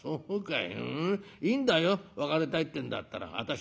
いいんだよ別れたいってえんだったら私に遠慮しないで。